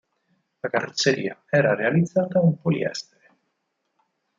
La carrozzeria era realizzata in poliestere.